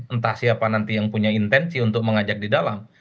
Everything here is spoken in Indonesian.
entah siapa nanti yang punya intensi untuk mengajak di dalam